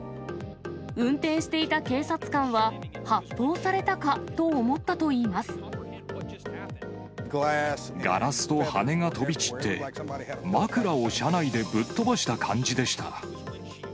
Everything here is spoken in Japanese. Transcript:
運転していた警察官は、ガラスと羽が飛び散って、枕を車内でぶっ飛ばした感じでした。